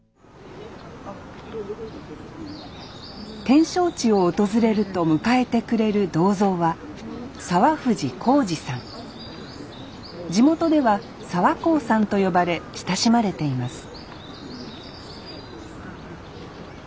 展勝地を訪れると迎えてくれる銅像は地元では澤幸さんと呼ばれ親しまれています